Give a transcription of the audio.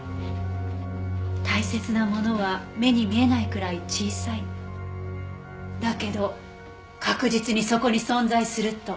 大切なものは目に見えないくらい小さいだけど確実にそこに存在すると。